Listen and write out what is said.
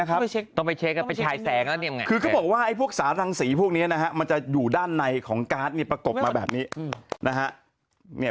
เขาบอกกระปริยาวพวกสาธารังสีพวกนี้จอด้านในของการ์ดประกบมาแบบนี้